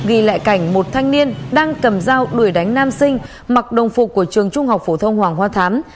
ghi lại cảnh một thanh niên đang cầm dao đuổi đánh nam sinh mặc đồng phục của trường trung học phổ thông hoàng hoa thám